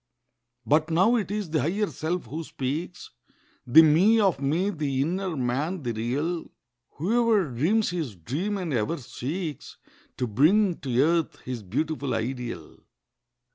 But now it is the Higher Self who speaks— The Me of me—the inner Man—the real— Whoever dreams his dream and ever seeks To bring to earth his beautiful ideal.